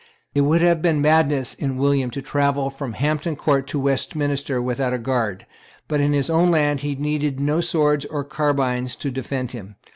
It would have been madness in William to travel from Hampton Court to Westminster without a guard; but in his own land he needed no swords or carbines to defend him.